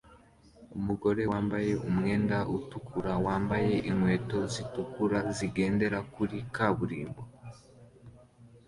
Umugore wambaye umwenda utukura wambaye inkweto zitukura zigenda kuri kaburimbo